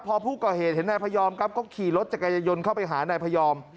พอผู้ก่อเหตุเห็นนายพยอมครับก็ขี่รถจักรยายนต์เข้าไปหานายพยอม